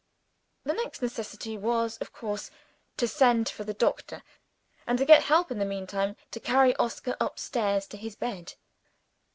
The next necessity was, of course, to send for the doctor, and to get help, in the meantime, to carry Oscar up stairs to his bed.